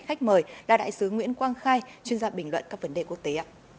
khách mời là đại sứ nguyễn quang khai chuyên gia bình luận các vấn đề quốc tế